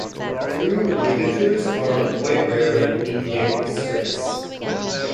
True ligatures are quite rare in Indic scripts.